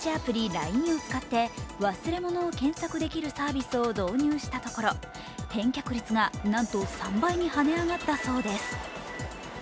ＬＩＮＥを使って忘れ物を検索できるサービスを導入したところ返却率がなんと、３倍にはね上がったそうです。